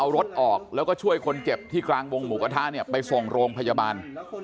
เอารถออกแล้วก็ช่วยคนเจ็บที่กลางวงหมูกระทะเนี่ยไปส่งโรงพยาบาล